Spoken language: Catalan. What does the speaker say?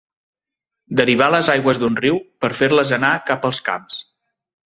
Derivar les aigües d'un riu per fer-les anar cap als camps.